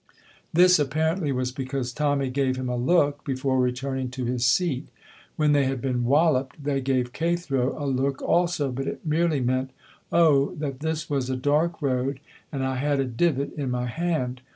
This apparently was because Tommy gave him a look before returning to his seat. When they had been walloped they gave Cathro a look also, but it merely meant, "Oh, that this was a dark road and I had a divot in my hand!"